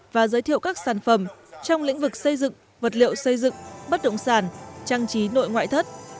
và giới thiệu các sản phẩm trong lĩnh vực xây dựng vật liệu xây dựng bất động sản trang trí nội ngoại thất